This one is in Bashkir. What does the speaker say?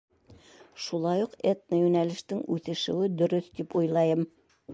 Шулай уҡ этно йүнәлештең үҫешеүе дөрөҫ тип уйлайым.